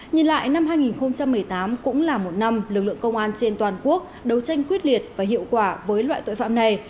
nhìn lại năm hai nghìn một mươi tám cũng là một năm lực lượng công an trên toàn quốc đấu tranh quyết liệt và hiệu quả với loại tội phạm này